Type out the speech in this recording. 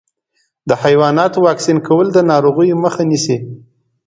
د حیواناتو واکسین کول د ناروغیو مخه نیسي.